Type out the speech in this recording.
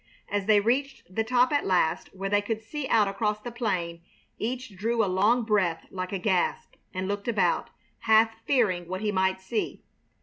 As they reached the top at last, where they could see out across the plain, each drew a long breath like a gasp and looked about, half fearing what he might see.